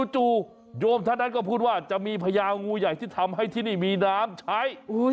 จู่โยมท่านนั้นก็พูดว่าจะมีพญางูใหญ่ที่ทำให้ที่นี่มีน้ำใช้